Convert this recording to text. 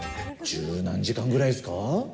十何時間くらいですか？